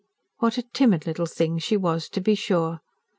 What a timid little thing she was to be sure!